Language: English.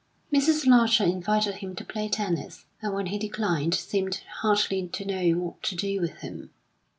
Mrs. Larcher invited him to play tennis, and when he declined seemed hardly to know what to do with him.